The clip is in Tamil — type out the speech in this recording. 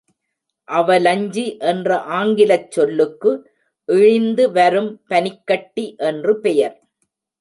அவலஞ்சி என்ற ஆங்கிலச் சொல்லுக்கு, இழிந்து வரும் பனிக்கட்டி என்று பெயர்.